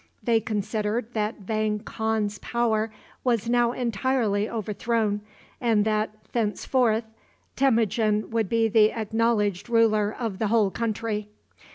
They considered that Vang Khan's power was now entirely overthrown, and that thenceforth Temujin would be the acknowledged ruler of the whole country.